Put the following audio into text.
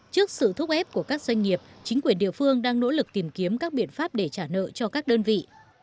trước sự thúc ép của các doanh nghiệp chính quyền địa phương đang nỗ lực tìm kiếm các biện pháp để trả nợ cho các đơn vị